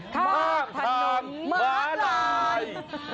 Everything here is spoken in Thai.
ข้ามทางม้าลาย